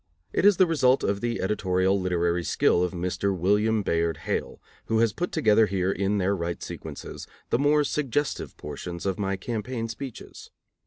It is the result of the editorial literary skill of Mr. William Bayard Hale, who has put together here in their right sequences the more suggestive portions of my campaign speeches.